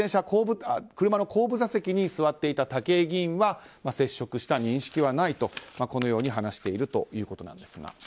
車の後部座席に座っていた武井議員は接触した認識はないと話しているということですが。